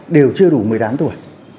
đều chưa đủ mười đám tuổi